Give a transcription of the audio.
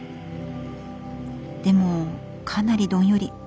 でもかなりどんより。